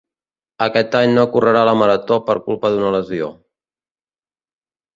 Aquest any no correrà la marató per culpa d'una lesió.